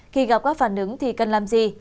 khi gặp các phản ứng thì cần làm gì